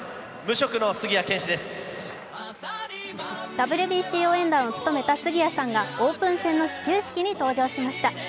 ＷＢＣ応援団を務めた杉谷さんがオープン戦の始球式に登場しました。